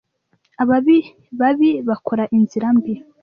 ababi babi bakora inzira mbi